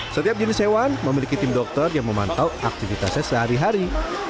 setiap jenis hewan memiliki tim dokter yang memantau aktivitasnya sehari hari